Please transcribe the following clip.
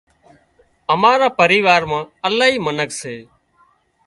امارا پريوار مان الاهي منک سي